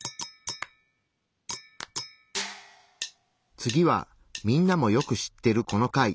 次はみんなもよく知ってるこの貝。